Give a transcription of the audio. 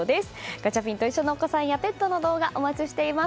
ガチャピンと一緒のお子さんやペットなどの動画をお待ちしています。